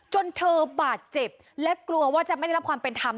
จนเธอบาดเจ็บและกลัวว่าจะไม่ได้รับความเป็นธรรม